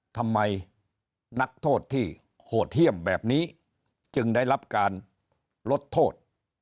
นักโทษที่โหดเยี่ยมแบบนี้จึงได้รับการลดโทษ